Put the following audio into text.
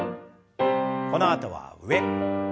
このあとは上。